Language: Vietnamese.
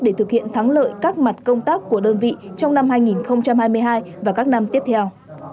để thực hiện thắng lợi các mặt công tác của đơn vị trong năm hai nghìn hai mươi hai và các năm tiếp theo